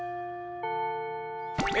え